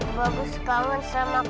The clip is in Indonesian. ibu juga ke mana ya